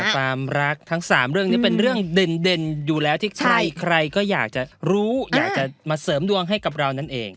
ความรักทั้ง๓เรื่องนี้เป็นเรื่องเด่นอยู่แล้วที่ใครก็อยากจะรู้อยากจะมาเสริมดวงให้กับเรานั่นเอง